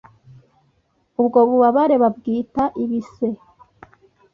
ubwo bubabare babwita ibise